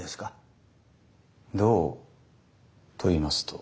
どうといいますと？